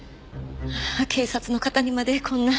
警察の方にまでこんな。